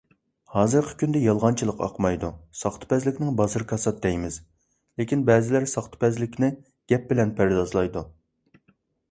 ھازىرقى كۈندە يالغانچىلىق ئاقمايدۇ، ساختىپەزلىكنىڭ بازىرى كاسات دەيمىز، لېكىن بەزىلەر ساختىپەزلىكنى گەپ بىلەن پەردازلايدۇ.